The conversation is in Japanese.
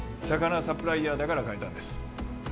魚サプライヤーだから買えたんです